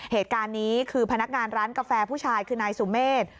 เหตุการณ์นี้คือพนักงานร้านกาแฟผู้ชายคือนายสุเมฆ